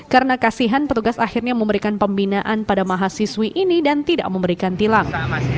karena kasihan petugas akhirnya memberikan pembinaan pada mahasiswi ini dan tidak memberikan tilang